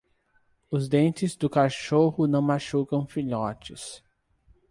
Os dentes do cachorro não machucam filhotes.